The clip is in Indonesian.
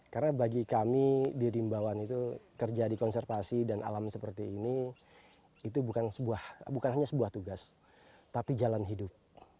karena bagi kami di rimbawan itu kerja di konservasi dan alam seperti ini itu bukan hanya sebuah tugas tapi jalan hidup